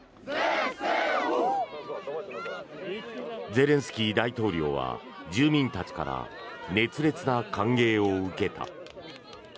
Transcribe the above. ゼレンスキー大統領は住民たちから熱烈な歓迎を受けた。